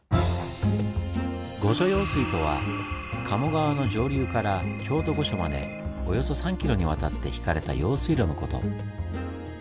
御所用水とは鴨川の上流から京都御所までおよそ３キロにわたって引かれた用水路のこと。